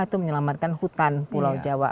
itu menyelamatkan hutan pulau jawa